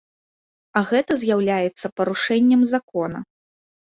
А гэта з'яўляецца парушэннем закона.